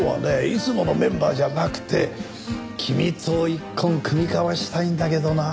いつものメンバーじゃなくて君と一献酌み交わしたいんだけどな。